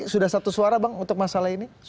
sudah satu suara bang untuk masalah ini